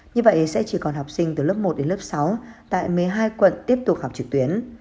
như vậy sẽ chỉ còn học sinh từ lớp một đến lớp sáu tại một mươi hai quận tiếp tục học trực tuyến